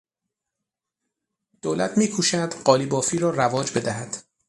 دولت میکوشد قالیبافی را رواج بدهد.